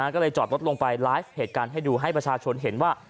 ก็เลยจอดรถลงไปไลฟ์เหตุการณ์ให้ดูให้ประชาชนเห็นว่า